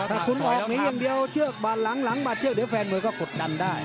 ถ้าคุณออกหนีอย่างเดียวเชือกบาดหลังหลังบาดเชือกเดี๋ยวแฟนมวยก็กดดันได้